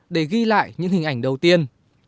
để ghi lại những hình ảnh đầu tiên